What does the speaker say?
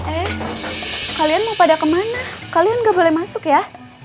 eh kalian mau pada kemana kalian nggak boleh masuk ya